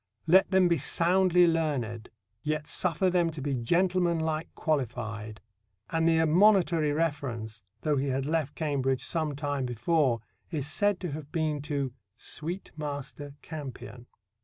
Let them be soundly learned, yet suffer them to be gentlemanlike qualified"; and the admonitory reference, though he had left Cambridge some time before, is said to have been to "sweet master Campion."